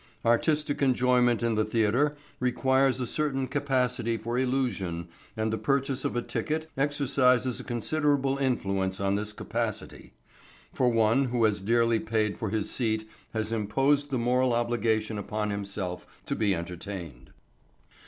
Artistic enjoyment in the theatre requires a certain capacity for illusion, and the purchase of a ticket exercises a considerable influence on this capacity. For one who has dearly paid for his seat has imposed the moral obligation upon himself to be entertained.